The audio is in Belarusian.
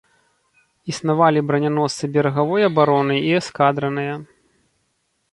Існавалі браняносцы берагавой абароны і эскадраныя.